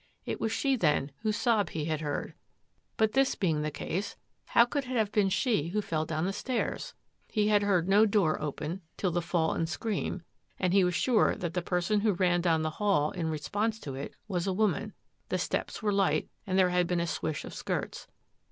It was she, then, whose sob he had heard. But this being the case, how could it have been she who fell down the stairs.'^ He had heard no door open till the fall and scream and he was sure that the person who ran down the hall in response to it was a woman — the steps were light and there had been a swish of skirts.